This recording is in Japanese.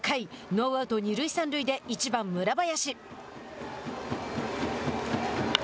ノーアウト、二塁三塁で１番村林。